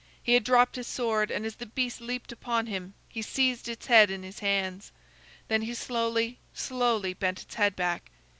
He had dropped his sword, and as the beast leaped upon him, he seized its head in his hands. Then he slowly, slowly, bent its head back.